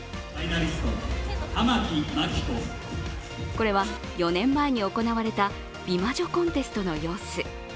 これは４年前に行われた美魔女コンテストの様子。